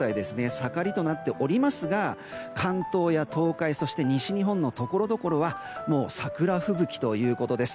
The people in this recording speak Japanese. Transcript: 盛りとなっておりますが関東や東海そして西日本のところどころはもう桜吹雪ということです。